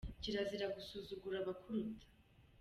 Kirazira gusuzugura abakuruta.